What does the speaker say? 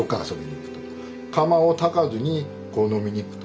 窯をたかずにこう飲みに行くと。